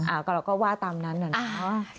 เอาออกมาแล้วก็ว่าตามนั้นหน่อยนะ